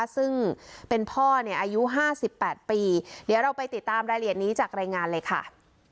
ซึ่งเป็นพ่อเนี่ยอายุ๕๘ปีเดี๋ยวเราไปติดตามรายละเอียดนี้จากรายงานเลยค่ะ